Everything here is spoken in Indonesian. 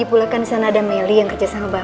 lagi pulang kan di sana ada meli yang kerja sama bapak